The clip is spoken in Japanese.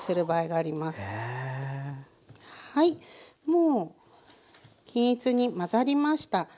もう均一に混ざりました。